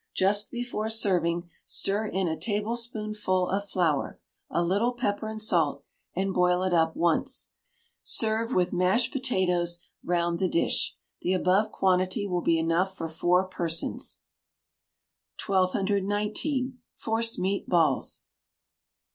Just before serving, stir in a tablespoonful of flour, a little pepper and salt, and boil it up once. Serve with mashed potatoes round the dish. The above quantity will be enough for four persons. 1219. Forcemeat Balls.